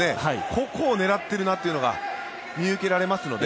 ここを狙ってるなというのが見受けられますので。